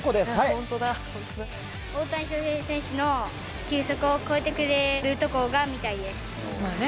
大谷翔平選手の球速を超えてくれるところを見たいです！